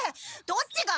どっちが。